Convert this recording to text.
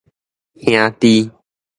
兄弟